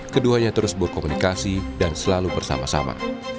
keduanya terus berkomunikasi dan selalu bersama sama